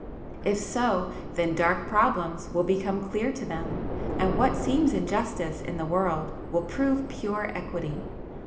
If so, then dark problems will become clear to them, and what seems injustice in the world will prove pure equity!